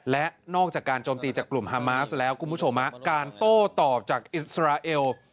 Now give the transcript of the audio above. และนอกจากการโจมตีจากกลุ่มฮามาสแล้วคุณผู้ชมการโต้ตอบจากอิสราเอล